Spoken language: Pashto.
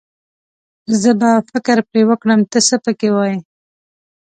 زه به فکر پرې وکړم، ته څه پکې وايې.